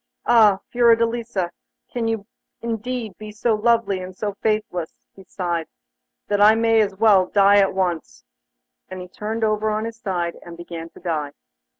'Ah! Fiordelisa, can you indeed be so lovely and so faithless?' he sighed, 'then I may as well die at once!' And he turned over on his side and began to die.